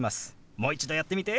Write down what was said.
もう一度やってみて！